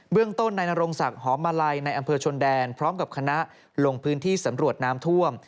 เรื่องต้นนายนรงศักดิ์หอมมาลัยในอำเภอชนแดนพร้อมกับคณะลงพื้นที่สำรวจน้ำท่วม